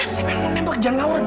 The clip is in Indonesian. saya mau nembak jan gawar deh